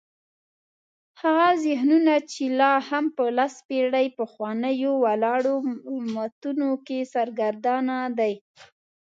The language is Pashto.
هغه ذهنونه چې لا هم په لس پېړۍ پخوانیو ولاړو متونو کې سرګردانه دي.